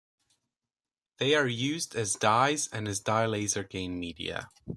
They are used as dyes and as dye laser gain media.